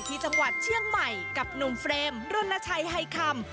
ที่จังหวัดเชียงใหม่กับหนุ่มเฟรมรณชัยไฮคำ